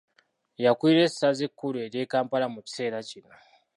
Yakulira essaza ekkulu ery'e Kampala mu kiseera kino.